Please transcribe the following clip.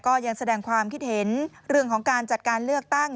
แสดงความคิดเห็นเรื่องของการจัดการเลือกตั้ง